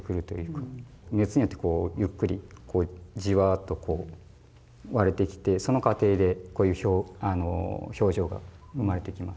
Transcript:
熱によってこうゆっくりジワッと割れてきてその過程でこういう表情が生まれてきます。